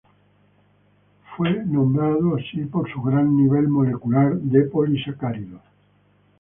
Fue nombrado así por su gran nivel molecular de polisacáridos.